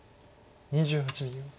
２８秒。